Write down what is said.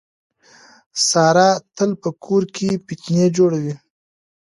ساره تل په کور کې فتنې جوړوي.